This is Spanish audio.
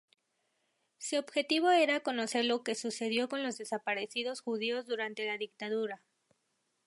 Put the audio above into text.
Su objetivo era conocer lo que sucedió con los desaparecidos judíos durante la dictadura.